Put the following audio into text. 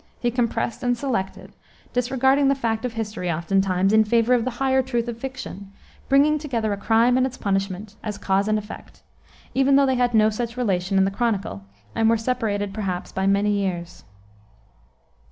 He compressed and selected, disregarding the fact of history oftentimes, in favor of the higher truth of fiction; bringing together a crime and its punishment, as cause and effect, even though they had no such relation in the chronicle, and were separated, perhaps, by many years.